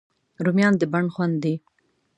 رومیان د بڼ خوند دي